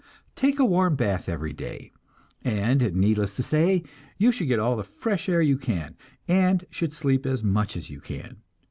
Take a warm bath every day; and needless to say, you should get all the fresh air you can, and should sleep as much as you can.